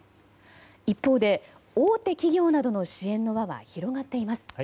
一方で大手企業などの支援の輪が広がっています。